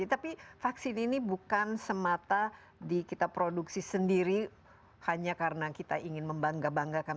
tapi vaksin ini bukan semata di kita produksi sendiri hanya karena kita ingin membangga banggakan